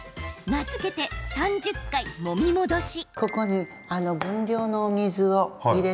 名付けて３０回もみ戻し。